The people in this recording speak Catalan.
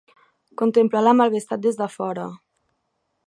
Contemplar la malvestat des de fora.